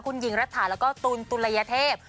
คุณหญิงระถาแล้วก็ตูนตูนระยะเทพ